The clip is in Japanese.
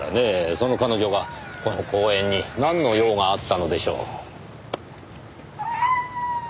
その彼女がこの公園になんの用があったのでしょう？